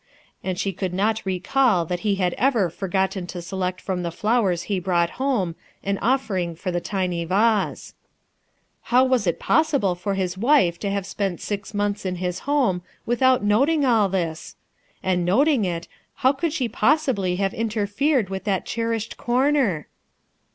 And she could not recall 1 1 * he had ever forgotten to select from th c flow ho brought, home, an offering for the tiny v .^ IIow was it possible for his wife to havo * r ,, '"Pent six months in Iiis home without noting all thi? And noting it, how could she possibly have i terfered with that cherished corner?